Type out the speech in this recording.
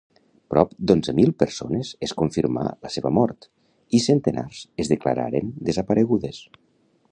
Prop d'onze mil persones es confirmà la seva mort i centenars es declararen desaparegudes.